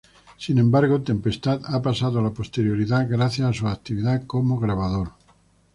Sin embargo, Tempesta ha pasado a la posteridad gracias a su actividad como grabador.